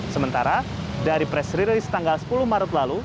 sementara dari pres rilis tanggal sepuluh maret lalu